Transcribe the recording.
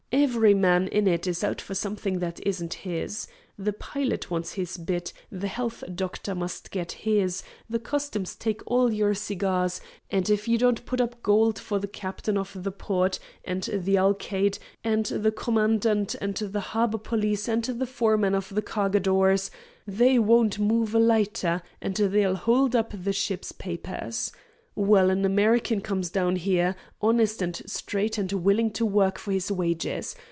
Every man in it is out for something that isn't his. The pilot wants his bit, the health doctor must get his, the customs take all your cigars, and if you don't put up gold for the captain of the port and the alcalde and the commandant and the harbor police and the foreman of the cargadores, they won't move a lighter, and they'll hold up the ship's papers. Well, an American comes down here, honest and straight and willing to work for his wages.